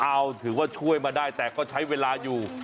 เอาถือว่าช่วยมาได้แต่ก็ใช้เวลาอยู่